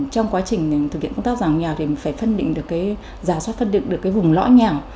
trong quá trình thực hiện công tác giảm nghèo thì mình phải phân định được cái giả soát phân định được cái vùng lõi nghèo